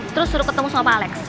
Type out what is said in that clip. terus suruh ketemu sama pak alex